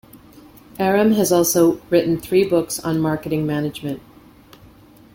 Erem has also written three books on marketing management.